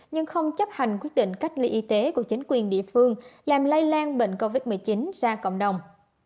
nhưng không chấp hành quyết định cách ly y tế của chính quyền địa phương làm lây lan bệnh covid một mươi chín ra cộng đồng